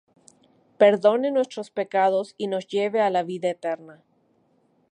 perdone nuestros pecados y nos lleve a la vida eterna.